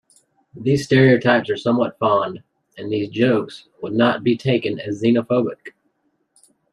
These stereotypes are somewhat fond, and these jokes would not be taken as xenophobic.